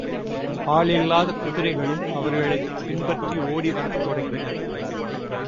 ஆளில்லாத குதிரைகளும் அவர்களைப் பின்பற்றி ஓடிவரத் தொடங்கின.